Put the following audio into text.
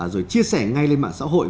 rồi chia sẻ ngay lên mạng xã hội